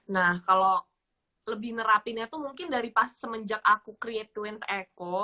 nah kalau lebih nerapinnya tuh mungkin dari pas semenjak aku create twins eko